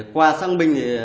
qua sáng binh thì